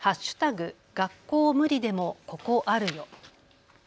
学校ムリでもここあるよ。